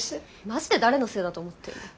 まじで誰のせいだと思ってんの？